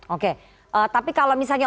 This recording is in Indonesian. oke tapi kalau misalnya